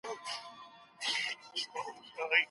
راځه خو کرار .